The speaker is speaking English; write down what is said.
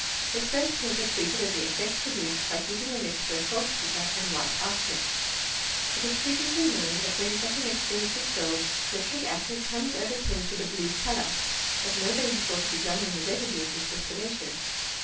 His first paper treated of the effect produced by heating a mixture of saltpetre and white arsenic. It was previously known, that when such a mixture is distilled nitric acid comes over tinged with a blue colour ; but nobody had thought of examining the residue of this distillation.